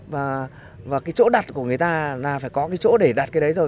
và cái chỗ đặt của người ta là phải có cái chỗ để đặt cái đấy rồi